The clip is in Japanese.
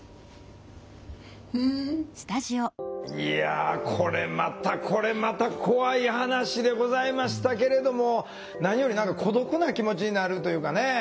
いやこれまたこれまた怖い話でございましたけれども何より何か孤独な気持ちになるというかね。